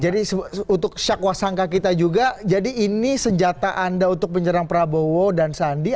jadi untuk syakwasangka kita juga jadi ini senjata anda untuk menyerang prabowo dan sandi